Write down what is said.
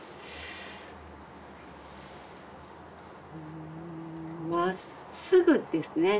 うんまっすぐですね。